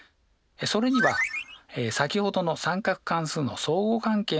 それには先ほどの三角関数の相互関係の公式を使います。